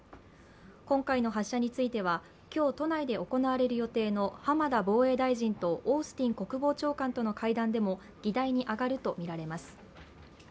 今回の発射については、今日、都内で行われる予定の浜田防衛大臣とオースティン国防長官との会談でも議題に上がるとみられます。